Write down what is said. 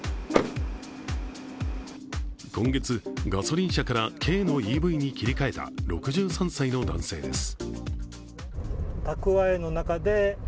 今月、ガソリン車から軽のＥＶに切り替えた６３歳の男性です。